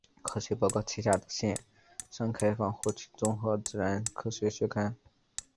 科学报告旗下的线上开放获取综合自然科学期刊。